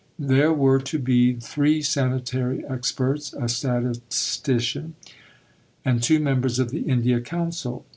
There were to be three sanitary experts, a statistician, and two members of the India Council.